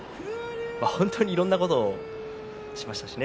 本当にいろいろなことをしましたしね。